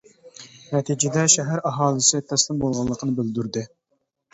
نەتىجىدە شەھەر ئاھالىسى تەسلىم بولغانلىقىنى بىلدۈردى.